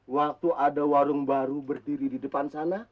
waktu ada warung baru berdiri di depan sana